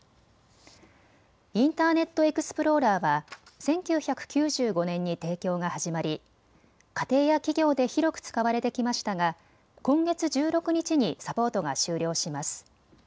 インターネットエクスプローラーは１９９５年に提供が始まり家庭や企業で広く使われてきましたが今月１６日にサポートが終了します。